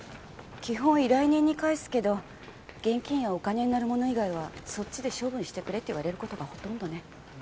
基本依頼人に返すけど現金やお金になるもの以外はそっちで処分してくれって言われる事がほとんどね。